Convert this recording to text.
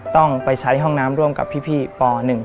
ต้องไปใช้ห้องน้ำร่วมกับพี่ป๑